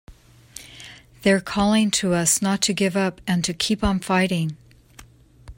They're calling to us not to give up and to keep on fighting!